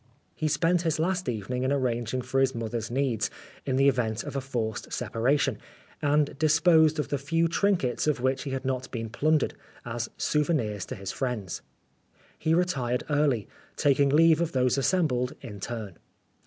He spent his last evening in arranging for his mother's needs in the event of a forced separation, and disposed of the few trinkets of which he had not been plundered, as souvenirs to his friends. He retired early, taking leave of those assembled in turn.